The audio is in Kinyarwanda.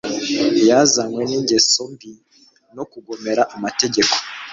Yazanywe ningeso mbi no kugomera amategeko